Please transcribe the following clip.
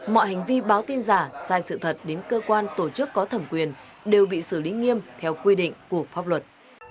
mọi hành vi báo tin giả sai sự thật đến cơ quan tổ chức có thẩm quyền đều bị xử lý nghiêm theo quy định của pháp luật